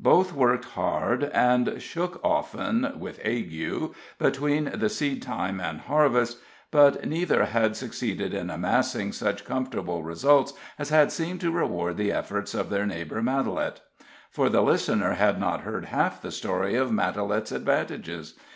Both worked hard and shook often (with ague) between the seed time and harvest, but neither had succeeded in amassing such comfortable results as had seemed to reward the efforts of their neighbor Matalette. For the listener had not heard half the story of Matalette's advantages.